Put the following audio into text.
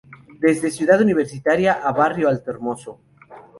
Desde Ciudad Universitaria a barrio Alto Hermoso.